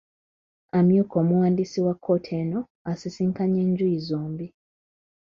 Amyuka Omuwandiisi wa kkooti eno asisinkanye enjuyi zombi.